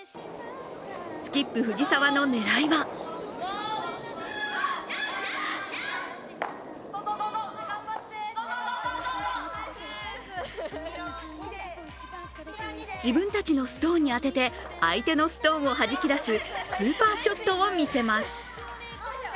スキップ藤澤の狙いは自分たちのストーンに当てて相手のストーンをはじき出すスーパーショットを見せます。